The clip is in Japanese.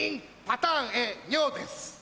パターンＡ尿です。